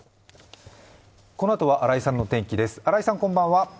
このあとは新井さんの天気です。